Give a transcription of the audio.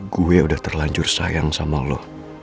gue udah terlanjur sayang sama allah